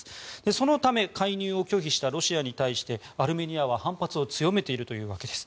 そのため、介入を拒否したロシアに対してアルメニアは反発を強めているというわけです。